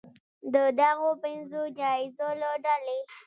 د دغو پنځو جایزو له ډلې